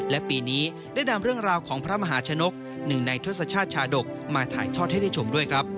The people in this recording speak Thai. และปีนี้ได้นำเรื่องราวของพระมหาชนกหนึ่งในทศชาติชาดกมาถ่ายทอดให้ได้ชมด้วยครับ